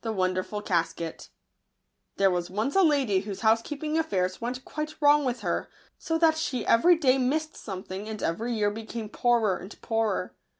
®! )t Wonderful ■ HERE was once a lady whose housekeeping affairs went quite wrong with her, so that she every day missed something, and every year became poorer and poorer.